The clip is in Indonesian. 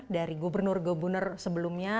dari gubernur gubernur sebelumnya